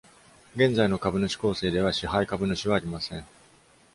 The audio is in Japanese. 現在の株主構成では、支配株主はありません。